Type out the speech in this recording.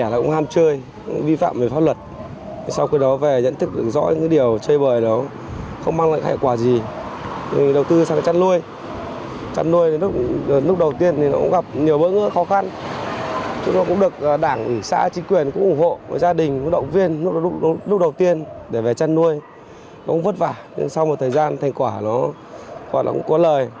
đầu tiên để về chăn nuôi nó cũng vất vả nhưng sau một thời gian thành quả nó hoạt động có lời